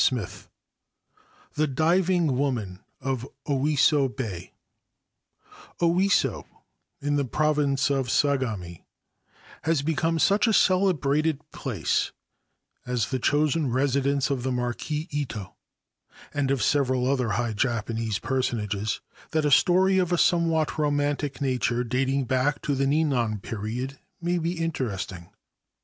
XXIII THE DIVING WOMAN OF OISO BAY Oiso, in the Province of Sagami, has become such ; celebrated place as the chosen residence of the Marquis Itc and of several other high Japanese personages, that a stor} of a somewhat romantic nature, dating back to the Ninar period, may be interesting.